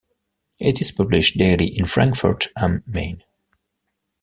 It is published daily in Frankfurt am Main.